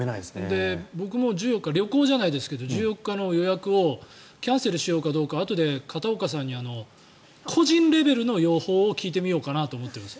僕も１４日、旅行じゃないですが１４日の予約をキャンセルするかどうかあとで片岡さんに個人レベルの予報を聞いてみようかなと思っています。